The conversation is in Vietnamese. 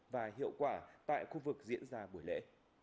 và hiệu quả tại khu vực diễn ra buổi lễ